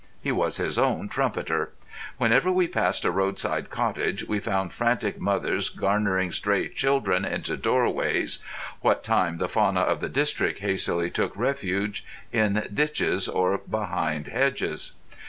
He was his own trumpeter. Whenever we passed a roadside cottage we found frantic mothers garnering stray children into doorways, what time the fauna of the district hastily took refuge in ditches or behind hedges.